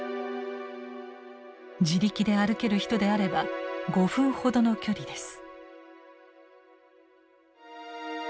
自力で歩ける人であれば５分ほどの距離です。